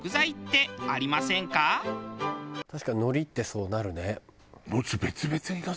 確かに海苔ってそうなるね。